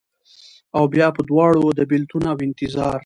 اوبیا په دواړو، د بیلتون اوانتظار